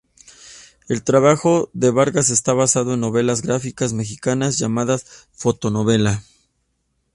El trabajo de Vargas está basado en novelas gráficas mexicanas llamadas "Fotonovela".